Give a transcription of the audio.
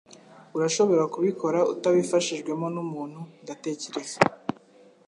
Urashobora kubikora utabifashijwemo numuntu, ndatekereza.